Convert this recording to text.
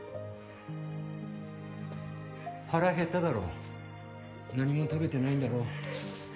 腹へっただろ何も食べてないんだろ？